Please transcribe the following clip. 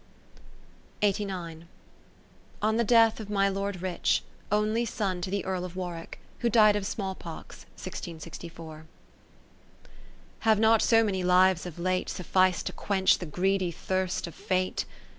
On the Death of my Lord Rich, only son to the Earl of Warwick, who died of the small pox, 1664 Have not so many lives of late Suffic'd to quench the greedy thirst of Fate?